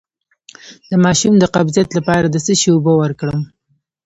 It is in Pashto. د ماشوم د قبضیت لپاره د څه شي اوبه ورکړم؟